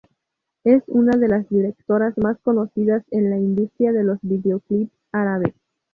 Es una de las directoras más conocidas en la industria de los videoclips árabes.